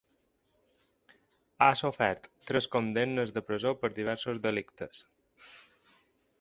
Ha sofert tres condemnes de presó per diversos delictes.